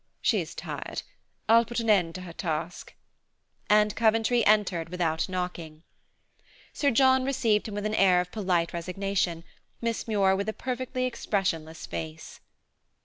She is tired. I'll put an end to her task; and Coventry entered without knocking. Sir John received him with an air of polite resignation, Miss Muir with a perfectly expressionless face.